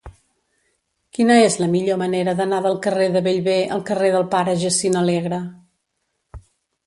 Quina és la millor manera d'anar del carrer de Bellver al carrer del Pare Jacint Alegre?